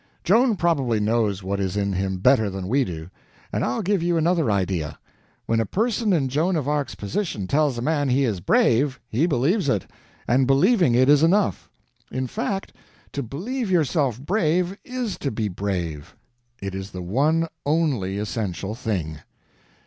Joan probably knows what is in him better than we do. And I'll give you another idea. When a person in Joan of Arc's position tells a man he is brave, he believes it; and believing it is enough; in fact, to believe yourself brave is to be brave; it is the one only essential thing."